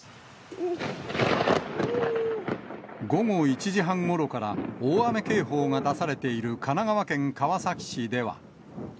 午後１時半ごろから大雨警報が出されている神奈川県川崎市では。